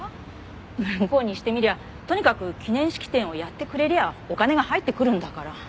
向こうにしてみりゃとにかく記念式典をやってくれりゃあお金が入ってくるんだから。